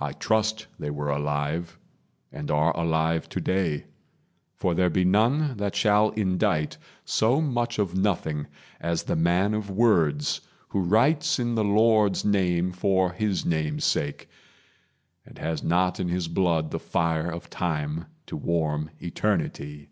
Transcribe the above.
I trust they were alive, and are alive Today; for there be none that shall indite So much of nothing as the man of words Who writes in the Lord's name for his name's sake And has not in his blood the fire of time To warm eternity.